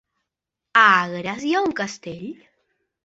A Agres hi ha un castell?